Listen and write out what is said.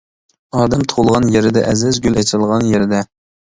ئادەم تۇغۇلغان يېرىدە ئەزىز، گۈل ئېچىلغان يېرىدە.